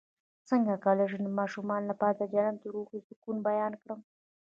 څنګه کولی شم د ماشومانو لپاره د جنت د روحي سکون بیان کړم